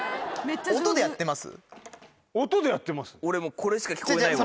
俺もうこれしか聞こえないわ。